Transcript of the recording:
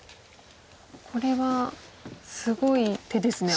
これはすごい手ですね。